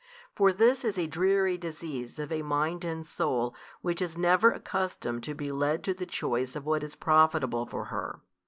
For this is a dreary disease of a mind and soul which is never accustomed to be led to the choice of what is profitable for her.